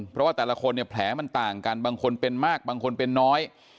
เพราะว่าแต่ละคนเนี่ยแผลมันต่างกันบางคนเป็นมากบางคนเป็นน้อย